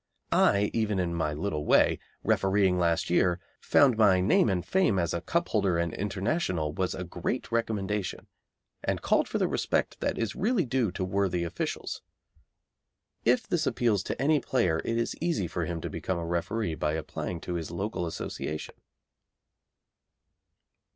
I, even in my little way, refereeing last year, found my name and fame as a Cup holder and International was a great recommendation, and called for the respect that is really due to worthy officials. If this appeals to any player it is easy for him to become a referee by applying to his local association.